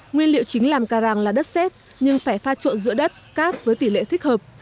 nguyên liệu chính làm ca răng là đất xét nhưng phải pha trộn giữa đất cát với tỷ lệ thích hợp